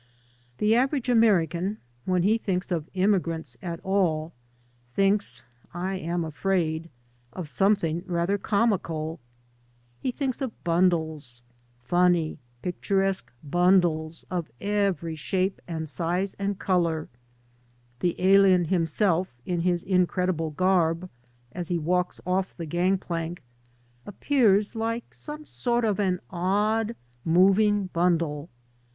The average American, when he thinks of im< migrants at all, thinkf, I am afraid, of something rather comical. He thinks of bundles — ^Eunny* pictu resque bundles of every shape and size and color. The alien himself, in his incredible garb, as he walks off the gang pluik, appears like some sort of an odd. moving bundle.